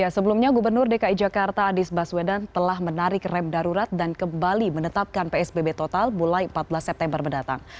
sebelumnya gubernur dki jakarta anies baswedan telah menarik rem darurat dan kembali menetapkan psbb total mulai empat belas september mendatang